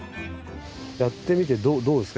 やってみてどうですか？